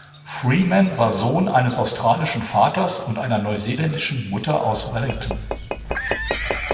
Freeman war Sohn eines australischen Vaters und einer neuseeländischen Mutter aus Wellington.